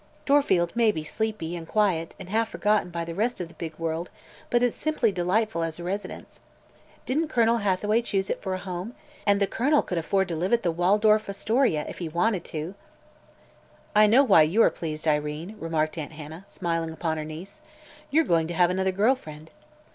Dorfield may be sleepy, and quiet, and half forgotten by the rest of the big world, but it's simply delightful as a residence. Didn't Colonel Hathaway choose it for a home? And the Colonel could afford to live at the Waldorf Astoria, if he wanted to." "I know why you are pleased, Irene," remarked Aunt Hannah, smiling upon her niece. "You're going to have another girl friend."